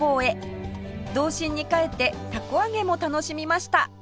童心に帰って凧揚げも楽しみました